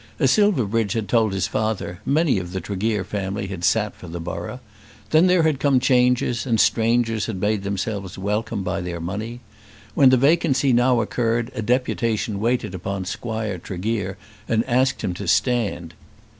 As Silverbridge had told his father, many of the Tregear family had sat for the borough. Then there had come changes, and strangers had made themselves welcome by their money. When the vacancy now occurred a deputation waited upon Squire Tregear and asked him to stand.